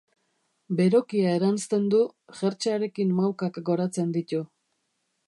Berokia eranzten du, jertsearen maukak goratzen ditu.